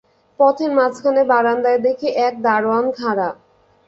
পথের মাঝখানে বারান্দায় দেখি এক দরোয়ান খাড়া।